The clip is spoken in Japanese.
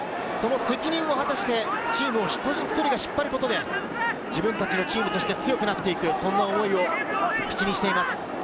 責任を果たしてチームを一人一人が引っ張ることで、自分たちのチームとして強くなっていく、そんな思いを口にしています。